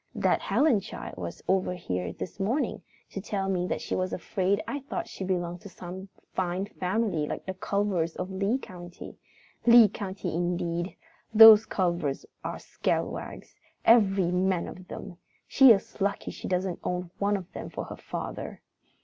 That Helen child was over here this morning, to tell me that she was afraid I thought she belonged to some fine family like the Culvers of Lee County. Lee County indeed! Those Culvers are scalawags, every man of them! She is lucky she doesn't own one of them for a father.